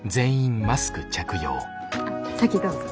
あっ先どうぞ。